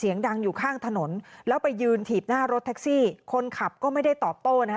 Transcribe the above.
ยืนถีบหน้ารถแท็กซี่คนขับก็ไม่ได้ต่อโต้นะคะ